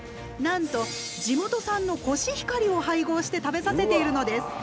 なんと地元産のコシヒカリを配合して食べさせているのです。